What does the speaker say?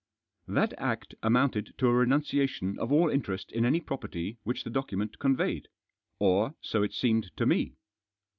That act amounted to a renunciation of all interest in any property which the document conveyed, or so it seemed to me.